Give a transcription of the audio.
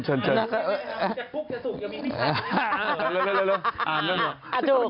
เร็วอ่านเรื่องหน่อยอาจูก